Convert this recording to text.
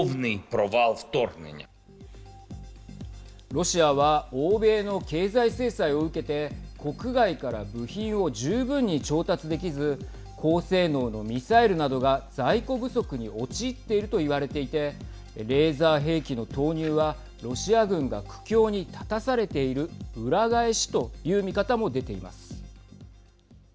ロシアは欧米の経済制裁を受けて国外から部品を十分に調達できず高性能のミサイルなどが在庫不足に陥っていると言われていてレーザー兵器の投入はロシア軍が苦境に立たされている裏返しという見方も出ています。